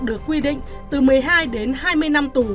được quy định từ một mươi hai đến hai mươi năm tù